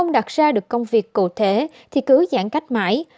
đặt ra được công việc cụ thể thì cứ giãn cách mãi